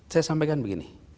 saya sampaikan begini